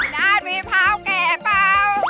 น่าจะมีมะพร้าวแก่เปล่า